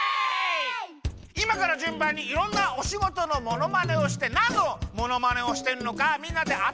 いまからじゅんばんにいろんなおしごとのものまねをしてなんのものまねをしてるのかみんなであてっこするゲームです。